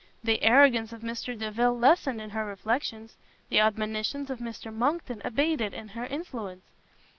The arrogance of Mr Delvile lessened in her reflections, the admonitions of Mr Monckton abated in their influence.